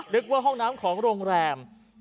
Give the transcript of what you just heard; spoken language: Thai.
นึกว่าห้องน้ำของโรงแรม